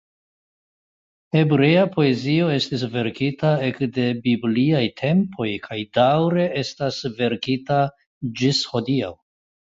Hebrea poezio estis verkita ekde bibliaj tempoj kaj daŭre estas verkita ĝis hodiaŭ.